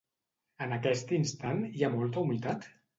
En aquest instant hi ha molta humitat?